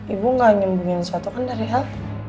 ibu gak nyembunyiin suatu kan dari el